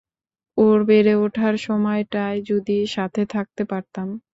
ওর বেড়ে উঠার সময়টায় যদি সাথে থাকতে পারতাম!